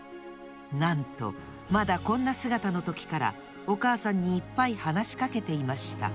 なんとまだこんなすがたのときからおかあさんにいっぱいはなしかけていました